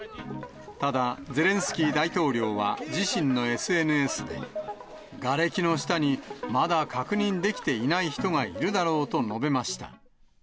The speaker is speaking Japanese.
ただ、ゼレンスキー大統領は自身のＳＮＳで、がれきの下にまだ確認できていない人がいるだろうと述べました。